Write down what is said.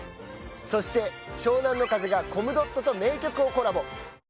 そして湘南乃風がコムドットと名曲をコラボ。